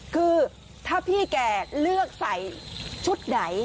คือถ้าพี่แกเลือกใส่ชุดไหน